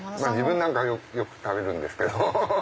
自分なんかよく食べるんですけど。